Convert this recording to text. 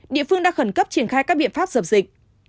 địa phương đang khẩn cấp triển khai các biện pháp dập dịch